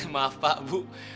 maaf pak bu